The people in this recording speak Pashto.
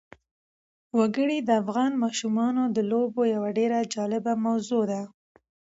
وګړي د افغان ماشومانو د لوبو یوه ډېره جالبه موضوع ده.